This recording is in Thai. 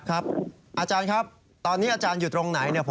อาจารย์ครับตอนนี้อาจารย์อยู่ตรงไหน